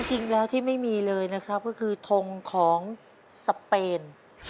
จริงแล้วที่ไม่มีเลยนะครับก็คือทงของสเปน